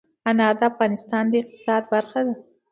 انار د افغانستان د اقتصاد برخه ده.